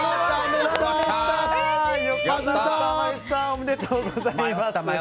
おめでとうございます！